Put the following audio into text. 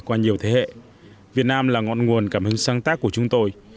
qua nhiều thế hệ việt nam là ngọn nguồn cảm hứng sáng tác của chúng tôi